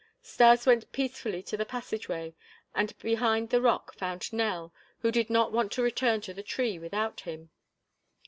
Stas went peacefully to the passageway and behind the rock found Nell, who did not want to return to the tree without him.